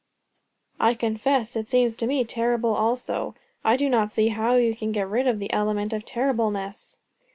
"I confess it seems to me terrible also. I do not see how you can get rid of the element of terribleness."